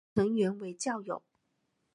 成员为教友。